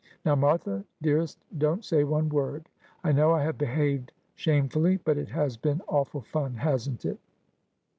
Now, Martha dearest, don't say one word ; I know I have behaved shamefully, but it has been awful fun, hasn't it